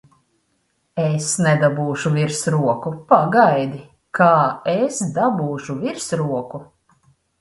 Es nedabūšu virsroku! Pagaidi, kā es dabūšu virsroku!